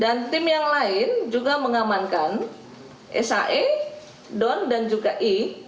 dan tim yang lain juga mengamankan sae don dan juga i